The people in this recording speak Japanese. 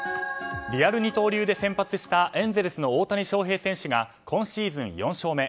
リアル二刀流で先発したエンゼルスの大谷翔平選手が今シーズン４勝目。